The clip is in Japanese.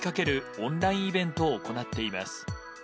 オンラインイベントを行っています。